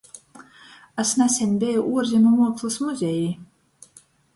Es naseņ beju Uorzemu muokslys muzejā.